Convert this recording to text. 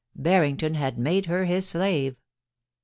Barrington had made her his slave.